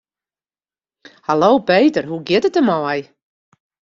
Hallo Peter, hoe giet it der mei?